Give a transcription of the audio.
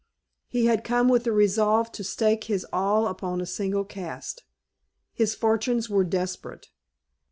He had come with the resolve to stake his all upon a single cast. His fortunes were desperate.